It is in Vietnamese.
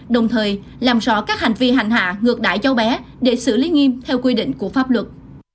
đồng thời làm rõ các hành vi hành hạ ngược đại cháu bé để xử lý nghiêm theo quy định của pháp luật